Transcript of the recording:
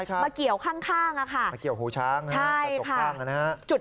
มาเกี่ยวข้างอะค่ะมาเกี่ยวหูช้างนะฮะกระจกข้างนะฮะ